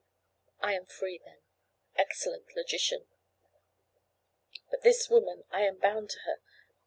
I am free, then. Excellent logician! But this woman: I am bound to her.